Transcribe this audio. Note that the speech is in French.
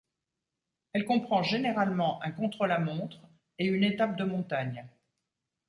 Elle comprend généralement un contre-la-montre et une étape de montagne.